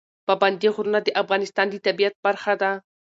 پابندی غرونه د افغانستان د طبیعت برخه ده.